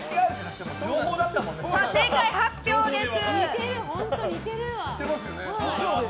正解発表です。